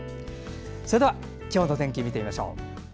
それでは今日の天気を見てみましょう。